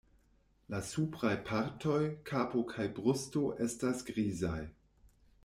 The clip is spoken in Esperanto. La supraj partoj, kapo kaj brusto estas grizaj.